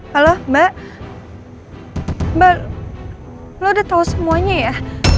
halo mbak mbak lo udah tau semuanya ya